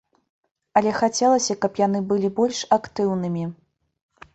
Але хацелася, каб яны былі больш актыўнымі.